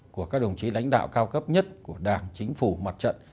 của các đồng chí lãnh đạo cao cấp nhất của đảng chính phủ mặt trận